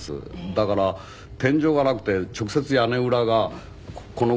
だから天井がなくて直接屋根裏がこのぐらいなんですね。